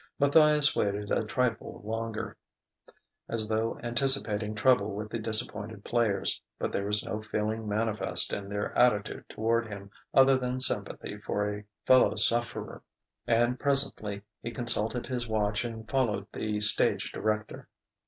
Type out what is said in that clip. Matthias waited a trifle longer, as though anticipating trouble with the disappointed players; but there was no feeling manifest in their attitude toward him other than sympathy for a fellow sufferer. And presently he consulted his watch and followed the stage director.